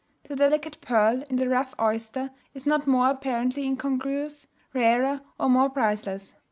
The delicate pearl in the rough oyster is not more apparently incongruous, rarer, or more priceless.